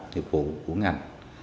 nghiệp vụ của ngành